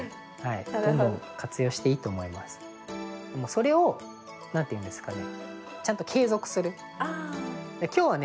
それを何て言うんですかね。